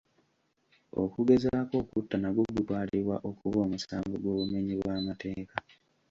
Okugezaako okutta nagwo gutwalibwa okuba omusango gw'obumenyi bw'amateeka